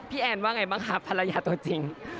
แอนว่าไงบ้างคะภรรยาตัวจริง